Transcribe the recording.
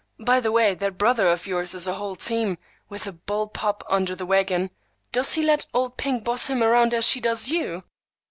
By the way, that brother of yours is a whole team, with a bull pup under the wagon. Does he let old Pink boss him around as she does you?"